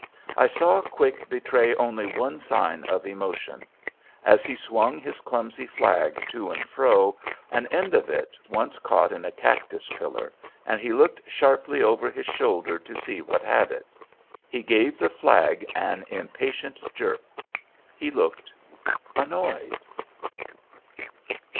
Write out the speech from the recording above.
I saw Quick betray only one sign of emotion. As he swung his clumsy flag to and fro, an end of it once caught on a cactus pillar, and he looked sharply over his shoulder to see what had it. He gave the flag an impatient jerk. He looked annoyed.